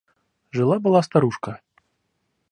Жила была старушка.